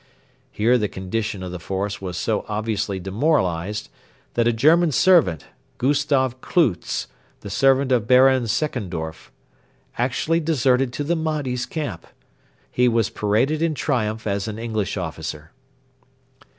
Here the condition of the force was so obviously demoralised that a German servant (Gustav Klootz, the servant of Baron Seckendorf) actually deserted to the Mahdi's camp. He was paraded in triumph as an English officer.